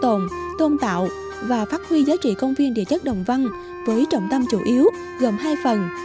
tổng thể bảo tồn tôn tạo và phát huy giá trị công viên địa chất đồng văn với trọng tâm chủ yếu gồm hai phần